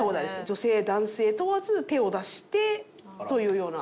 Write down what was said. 女性男性問わず手を出してというような感じになりますね。